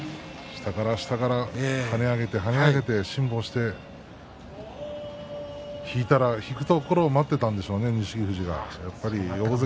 下から下から跳ね上げて跳ね上げて、辛抱して引いたら引くところを待っていたんでしょうね、錦富士は。